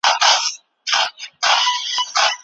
زده کوونکي څنګه د ټکنالوژۍ له لاري خپل مهارتونه لوړوي؟